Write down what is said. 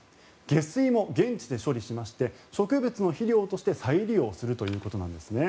下水も現地で処理しまして植物の肥料として再利用するということなんですね。